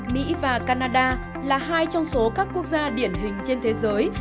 mỹ và canada là hai trong số các quốc gia điển hình trên thế giới